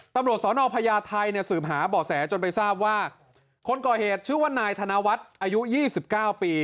ตำรวจสนพญาไทยเนี่ยสืบหาบ่อแสจนไปทราบว่าคนก่อเหตุชื่อว่านายธนวัฒน์อายุ๒๙ปี